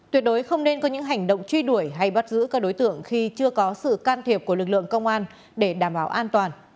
tuyệt đối không nên có những hành động truy đuổi hay bắt giữ các đối tượng khi chưa có sự can thiệp của lực lượng công an để đảm bảo an toàn